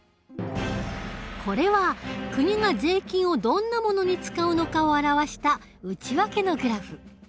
これは国が税金をどんなものに使うのかを表した内訳のグラフ。